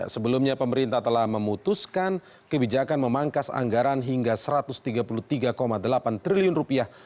sebelumnya pemerintah telah memutuskan kebijakan memangkas anggaran hingga satu ratus tiga puluh tiga delapan triliun rupiah